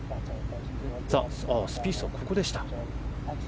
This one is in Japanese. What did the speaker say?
スピースはここでした。